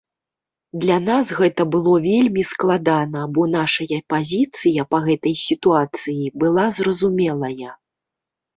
Для нас гэта было вельмі складана, бо нашая пазіцыя па гэтай сітуацыі была зразумелая.